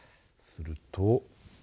すると。